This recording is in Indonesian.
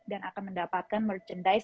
dan akan mendapatkan merchandise